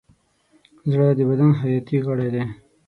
زړه د بدن حیاتي غړی دی.